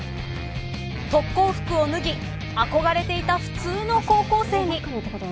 特攻服を脱ぎ憧れていた普通の高校生に。